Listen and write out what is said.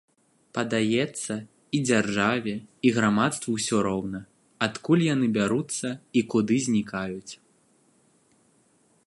Падаецца, і дзяржаве, і грамадству ўсё роўна, адкуль яны бяруцца і куды знікаюць.